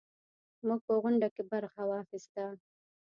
موږ په غونډه کې برخه واخیسته.